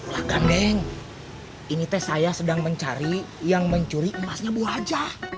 lakan deng ini teh saya sedang mencari yang mencuri emasnya bu aja